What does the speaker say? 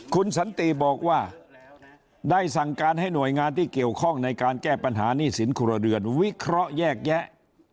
คุณสันติบอกว่าได้สั่งการให้หน่วยงานที่เกี่ยวข้องในการแก้ปัญหาหนี้สินครัวเรือนวิเคราะห์แยกแยะ